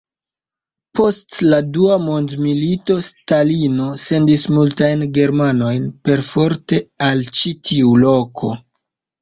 Post la Dua Mondmilito, Stalino sendis multajn germanojn perforte al ĉi tiu loko.